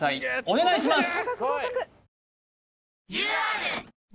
お願いします